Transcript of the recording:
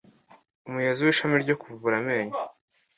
umuyobozi w'ishami ryo kuvura amenyo